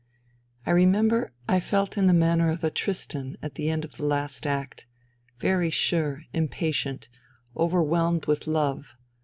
I remember I felt in the manner of Tristan at the end of the last act : very sure, impatient, overwhelmed with love.